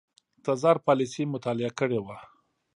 تزار پالیسي مطالعه کړې وه.